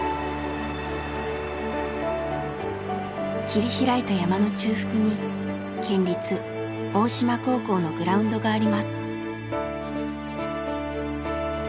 切り開いた山の中腹に県立大島高校のグラウンドがあります。